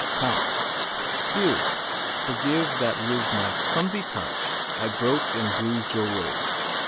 Stupidity Dearest, forgive that with my clumsy touch I broke and bruised your rose.